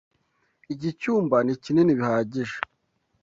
Iki cyumba ni kinini bihagije.